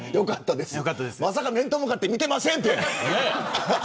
まさか面と向かって見てませんて。